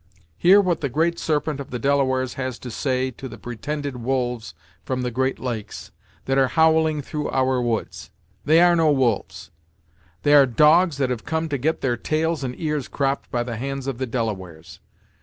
Hear what the Great Serpent of the Delawares has to say to the pretended wolves from the great lakes, that are howling through our woods. They are no wolves; they are dogs that have come to get their tails and ears cropped by the hands of the Delawares.